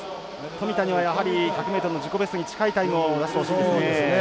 富田には、やはり１００ｍの自己ベストに近いタイムを出してほしいですね。